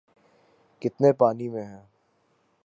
‘ کتنے پانی میں ہیں۔